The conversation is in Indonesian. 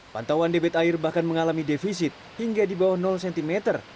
pantauan debit air bahkan mengalami defisit hingga di bawah cm